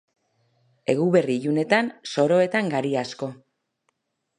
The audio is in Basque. Eguberri ilunetan soroetan gari asko.